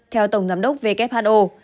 theo tổng giám đốc who